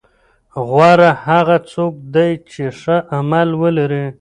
غوره هغه څوک دی چې ښه عمل ولري.